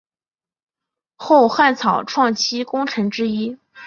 后汉草创期功臣之一。